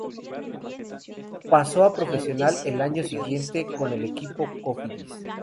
Pasó a profesional el año siguiente con el equipo Cofidis.